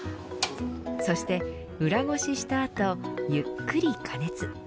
そして裏ごしした後ゆっくり加熱。